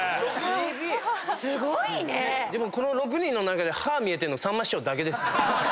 でもこの６人の中で歯見えてんのさんま師匠だけです。